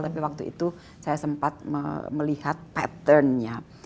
tapi waktu itu saya sempat melihat pattern nya